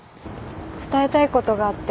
伝えたいことがあって。